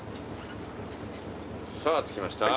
さぁ着きました。